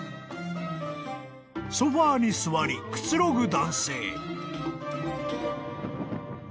［ソファに座りくつろぐ男性］